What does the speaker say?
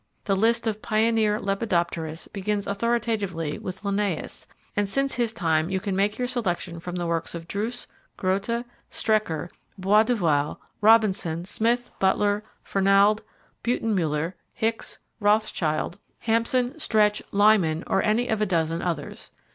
The list of pioneer lepidopterists begins authoritatively with Linnaeus and since his time you can make your selection from the works of Druce, Grote, Strecker, Boisduval, Robinson, Smith, Butler, Fernald, Beutenmuller, Hicks, Rothschild, Hampson, Stretch, Lyman, or any of a dozen others.